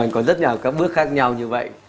có rất nhiều các bước khác nhau như vậy